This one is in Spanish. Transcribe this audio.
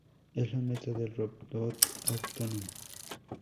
Es la meta del robot autónomo.